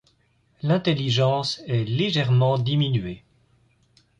L’intelligence est légèrement diminuée.